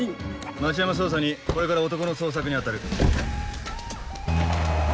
町山捜査２これから男の捜索に当たる。